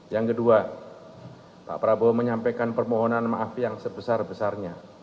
yang kedua pak prabowo menyampaikan permohonan maaf yang sebesar besarnya